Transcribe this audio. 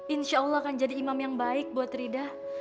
insya allah akan jadi imam yang baik buat rida